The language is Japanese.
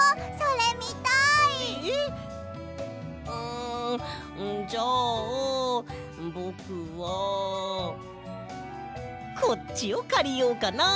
んじゃあぼくはこっちをかりようかな。